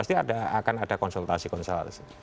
pasti akan ada konsultasi konstelasi